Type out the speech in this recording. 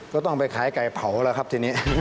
ก็ต้องไปขายไก่เผาแล้วครับทีนี้